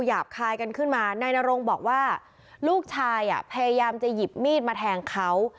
หยาบคายกันขึ้นมานายนรงบอกว่าลูกชายพยายามจะหยิบมีดมาแทงเขา